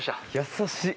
優しい。